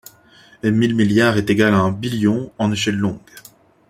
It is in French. Mille milliards est égal à un billion en échelle longue.